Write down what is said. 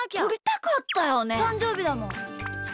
たんじょうびだもん。